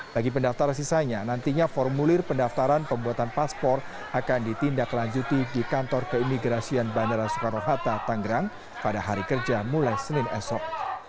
bagi pendaftar sisanya nantinya formulir pendaftaran pembuatan paspor akan ditindaklanjuti di kantor keimigrasian bandara soekarno hatta tanggerang pada hari kerja mulai senin esok